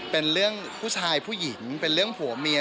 เป็นเรื่องผู้ชายผู้หญิงเป็นเรื่องผัวเมีย